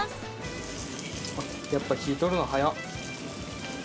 やっぱ火ぃ通るの早っ！